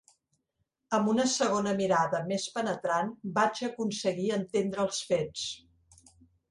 Amb una segona mirada més penetrant vaig aconseguir entendre els fets.